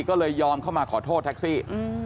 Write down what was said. ก็เลยยอมเข้ามาขอโทษแท็กซี่